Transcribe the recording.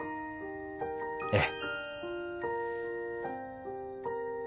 ええ。